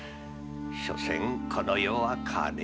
しょせんこの世は金じゃ。